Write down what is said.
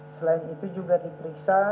selain itu juga diperiksa